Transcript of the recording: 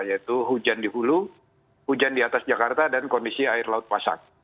yaitu hujan di hulu hujan di atas jakarta dan kondisi air laut pasang